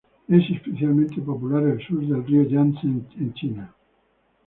Es especialmente popular al sur del río Yangtze en China.